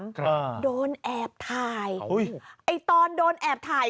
กล้าโดนแอบถ่ายไอ้ตอนโดนแอบถ่าย